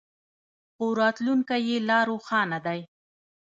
خو راتلونکی یې لا روښانه دی.